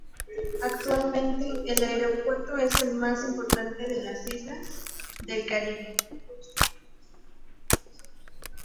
Actualmente el aeropuerto es el más importante de las islas del Caribe.